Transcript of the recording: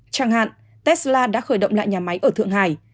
chẳng hạn tesla đã khởi động lại nhà máy ở thượng hải